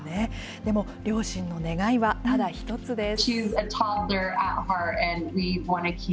でも両親の願いはただ一つです。